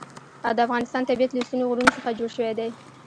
د افغانستان طبیعت له ستوني غرونه څخه جوړ شوی دی.